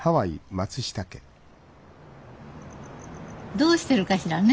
どうしてるかしらね？